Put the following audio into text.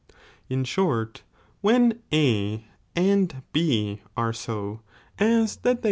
a»«ioii. In short, when A and B are so, as that tbey s.